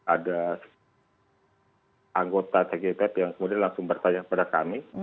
ada anggota tgpf yang kemudian langsung bertanya kepada kami